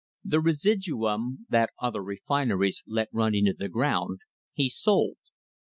The residuum that other refineries let run into the ground, he sold.